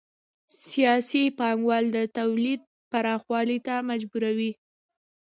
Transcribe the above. سیالي پانګوال د تولید پراخوالي ته مجبوروي